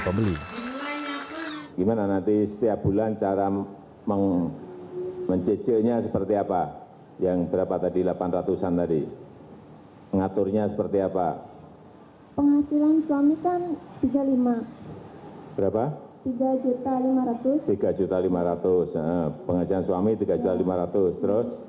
sebelumnya saya masih kontrak